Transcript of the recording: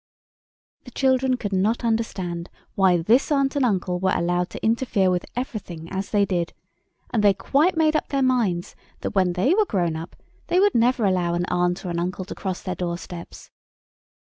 The children could not understand why this aunt and uncle were allowed to interfere with everything as they did: and they quite made up their minds that when they were grown up they would never allow an aunt or an uncle to cross their doorsteps.